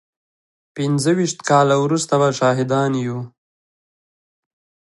پينځه ويشت کاله وروسته به شاهدان يو.